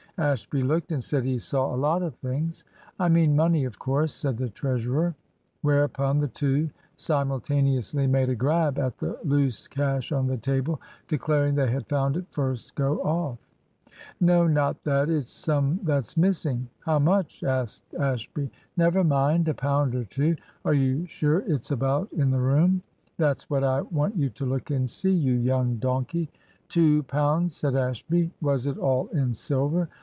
Ashby looked, and said he saw a lot of things. "I mean money, of course," said the treasurer. Whereupon the two simultaneously made a grab at the loose cash on the table, declaring they had found it first go off. "No not that. It's some that's missing." "How much?" asked Ashby. "Never mind a pound or two." "Are you sure it's about in the room?" "That's what I want you to look and see, you young donkey!" "Two pounds," said Ashby; "was it all in silver?"